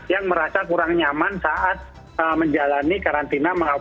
yang merasa kurang nyaman saat menjalani karantina